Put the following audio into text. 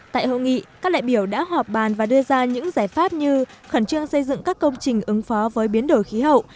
tại hội nghị các đại biểu đã họp bàn và đưa ra những giải pháp như khẩn trương xây dựng các công trình ứng phó với biến đổi khí hậu